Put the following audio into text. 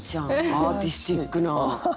アーティスティックな感想。